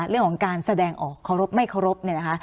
เรื่องของการแสดงออกขอรบไม่ขอรบเนี่ยนะคะ